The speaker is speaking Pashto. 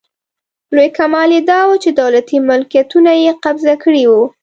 لوی کمال یې داوو چې دولتي ملکیتونه یې قبضه کړي وو.